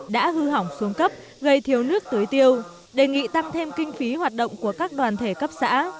đã hư hỏng xuống cấp gây thiếu nước tưới tiêu đề nghị tăng thêm kinh phí hoạt động của các đoàn thể cấp xã